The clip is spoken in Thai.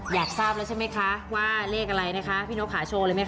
อยากทราบแล้วใช่ไหมคะว่าเลขอะไรนะคะพี่นกขาโชว์เลยไหมค